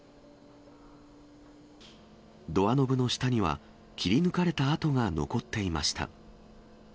ドアノブの下には、切り抜かれた跡が残っていました。